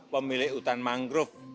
pemilik hutan mangrove